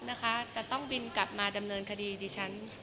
แต่ต้องบินกลับมาแจ้งความดิฉันด้วย